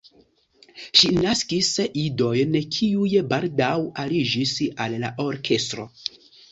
Ŝi naskis idojn, kiuj baldaŭ aliĝis al la orkestro.